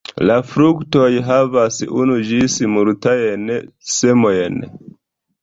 La fruktoj havas unu ĝis multajn semojn.